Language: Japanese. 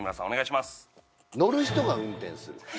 お願いします